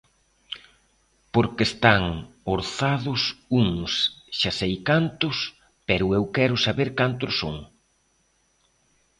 Porque están orzados uns, xa sei cantos, pero eu quero saber cantos son.